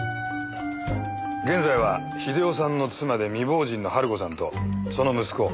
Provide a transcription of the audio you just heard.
現在は英雄さんの妻で未亡人の晴子さんとその息子